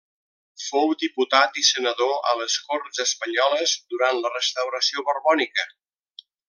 Fou diputat i senador a les Corts Espanyoles durant la restauració borbònica.